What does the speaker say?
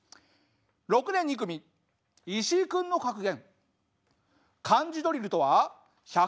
６年２組イシイ君の格言。